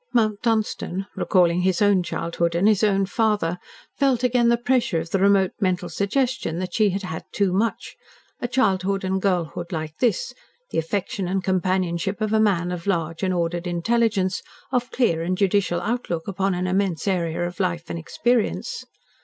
Mount Dunstan, recalling his own childhood and his own father, felt again the pressure of the remote mental suggestion that she had had too much, a childhood and girlhood like this, the affection and companionship of a man of large and ordered intelligence, of clear and judicial outlook upon an immense area of life and experience.